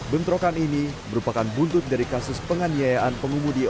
bentrokan ini merupakan buntut dari kasus penganiayaan pengumum di ojek